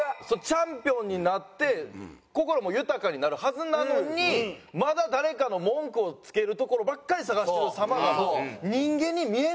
チャンピオンになって心も豊かになるはずなのにまだ誰かの文句をつけるところばっかり探してる様が人間に見えないんですよ。